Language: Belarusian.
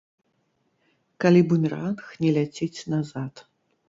Калі бумеранг не ляціць назад.